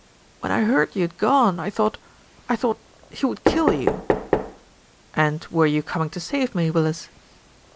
"When I heard you had gone, I thought, I thought he would kill you." "And were you coming to save me, Willis?"